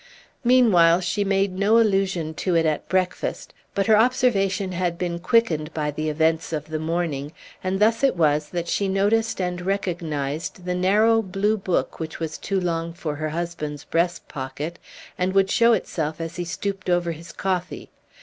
Meanwhile she made no allusion to it at breakfast, but her observation had been quickened by the events of the morning, and thus it was that she noticed and recognized the narrow blue book which was too long for her husband's breast pocket, and would show itself as he stooped over his coffee.